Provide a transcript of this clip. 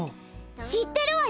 知ってるわよ。